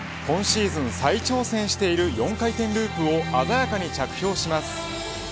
今シーズン再挑戦している４回転ループを鮮やかに着氷します。